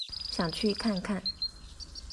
想去看看